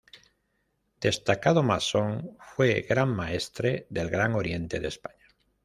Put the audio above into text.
Destacado masón, fue Gran Maestre del Gran Oriente de España.